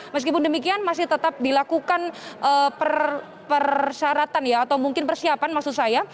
meskipun demikian masih tetap dilakukan persyaratan ya atau mungkin persiapan maksud saya